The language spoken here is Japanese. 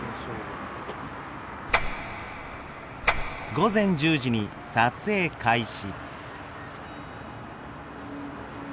午前１０時に撮影開始。